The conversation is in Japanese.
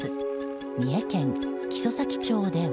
三重県木曽岬町では